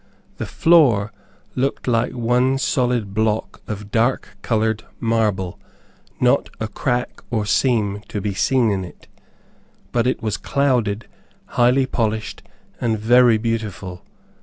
The floor looked like one solid block of dark colored marble; not a crack or seam to be seen in it, but it was clouded, highly polished, and very beautiful.